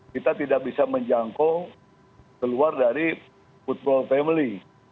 kita tidak bisa menjangkau keluar dari football family